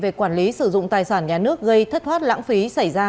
về quản lý sử dụng tài sản nhà nước gây thất thoát lãng phí xảy ra